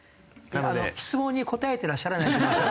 質問に答えていらっしゃらないと思うんですよ。